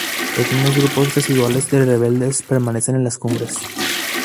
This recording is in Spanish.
Pequeños grupos residuales de rebeldes permanecen en las cumbres.